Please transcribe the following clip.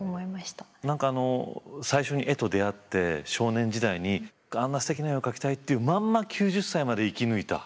何かあの最初に絵と出会って少年時代にあんなすてきな絵を描きたいっていうまんま９０歳まで生き抜いた。